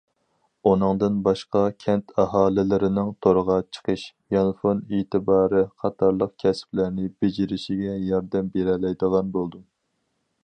ئۇنىڭدىن باشقا كەنت ئاھالىلىرىنىڭ تورغا چىقىش، يانفون ئېتىبارى قاتارلىق كەسىپلەرنى بېجىرىشىگە ياردەم بېرەلەيدىغان بولدۇم.